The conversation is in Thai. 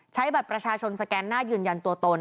ใช้บัตรประชาชนสแกนหน้ายืนยันตัวตน